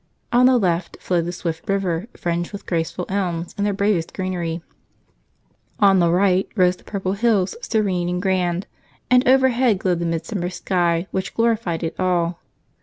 On the left flowed the swift river fringed with graceful elms in their bravest greenery; on the right rose the purple hills serene and grand; and overhead glowed the midsummer sky, which glorified it all.